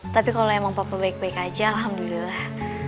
tapi kalau emang papa baik baik aja alhamdulillah